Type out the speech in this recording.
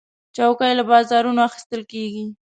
چوکۍ له بازارونو اخیستل کېږي.